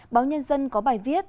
báo nhân dân có bài viết